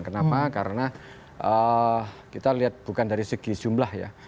kenapa karena kita lihat bukan dari segi jumlah ya